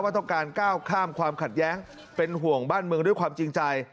ต้องการก้าวข้ามความขัดแย้งเป็นห่วงบ้านเมืองด้วยความจริงใจ